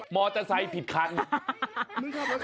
มอเตอร์ไซต์ผิดคันฮ่า